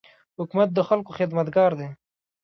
حکومت د خلکو خدمتګار دی.